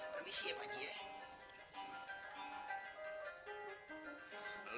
permisi ya pak haji ya